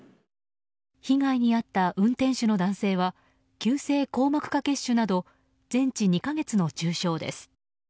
被害に遭った運転手の男性は急性硬膜下血腫など全治２か月の重傷です。